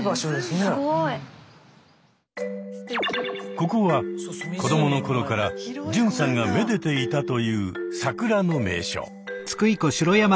ここは子どもの頃から純さんがめでていたという桜の名所。